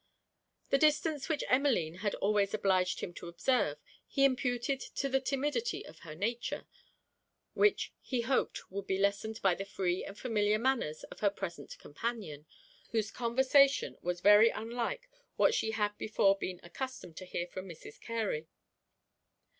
The distance which Emmeline had always obliged him to observe, he imputed to the timidity of her nature; which he hoped would be lessened by the free and familiar manners of her present companion, whose conversation was very unlike what she had before been accustomed to hear from Mrs. Carey.